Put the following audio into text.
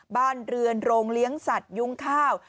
บ้านเรือนโรงเลี้ยงสัตว์ยุ้งข้าว